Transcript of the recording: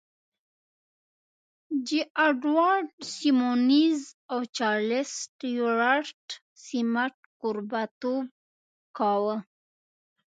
جې اډوارډ سيمونز او چارليس سټيوارټ سميت کوربهتوب کاوه.